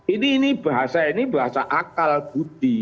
ini bahasa akal gudi